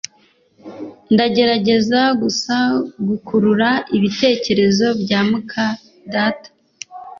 Ndagerageza gusa gukurura ibitekerezo bya muka data